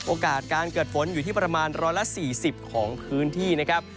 โอกาสการเกิดฝนอยู่ที่ประมาณ๑๔๐ของพื้นที่นะครับ